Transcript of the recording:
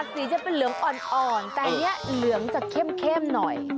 ดีถึงเป็นเหลืองเหมา๋แต่เหลืองเก็บหน่อย